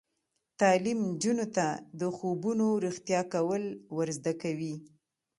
تعلیم نجونو ته د خوبونو رښتیا کول ور زده کوي.